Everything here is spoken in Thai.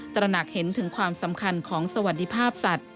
ตระหนักเห็นถึงความสำคัญของสวัสดิภาพสัตว